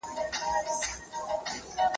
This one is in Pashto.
ځیني خلګ قرض نه اخلي.